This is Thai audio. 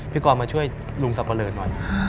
พี่กรมาช่วยลุงสัปเลอร์หน่อย